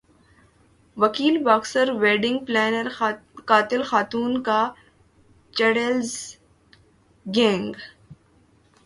وکیل boxer wedding planner قاتل خاتون کا چڑیلز گینگ